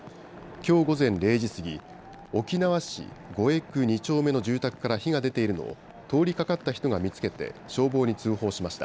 きょう午前０時過ぎ、沖縄市越来２丁目の住宅から火が出ているのを、通りかかった人が見つけて、消防に通報しました。